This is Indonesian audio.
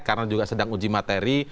karena juga sedang uji materi